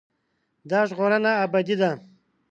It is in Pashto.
دا ژغورنه ابدي ده.